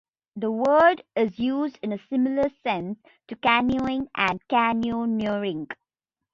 The word is used in a similar sense to canyoning and canyoneering.